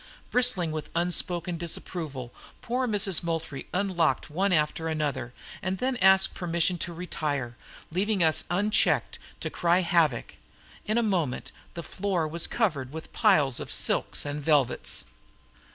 Bristling with unspoken disapproval, poor Mrs. Moultrie unlocked one after another, and then asked permission to retire, leaving us unchecked to "cry havoc." In a moment the floor was covered with piles of silks and velvets.